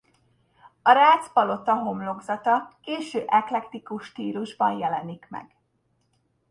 A Rácz-palota homlokzata késő eklektikus stílusban jelenik meg.